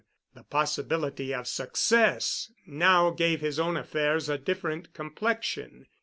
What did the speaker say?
The possibility of success now gave his own affairs a different complexion.